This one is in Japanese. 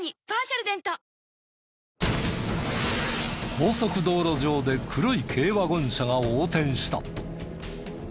高速道路上で黒い軽ワゴン車が横転した。